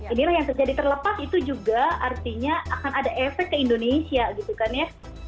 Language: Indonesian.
inilah yang terjadi terlepas itu juga artinya akan ada efek ke indonesia gitu kan ya